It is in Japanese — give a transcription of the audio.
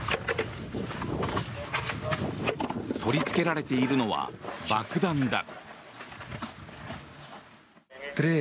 取りつけられているのは爆弾だ。